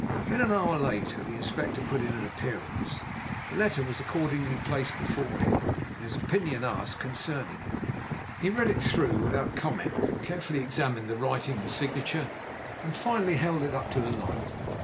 When, an hour later, the Inspector put in an appearance, the letter was accordingly placed before him, and his opinion asked concerning it. He read it through without comment, carefully examined the writing and signature, and finally held it up to the light.